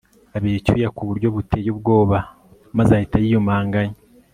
abira icyuya kuburyo buteye ubwoba maze ahita yiyumanganya